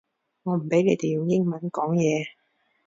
我唔畀你哋用英文講嘢